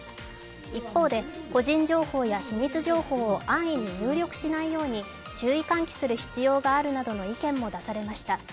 一方で個人情報や秘密情報を安易に入力しないように注意喚起する必要があるなどの意見も出されました。